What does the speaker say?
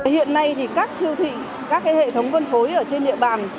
hiện nay thì các siêu thị các hệ thống phân phối ở trên địa bàn